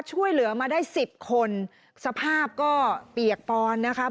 ช่วยเหลือมาได้สิบคนสภาพก็เปียกปอนนะคะ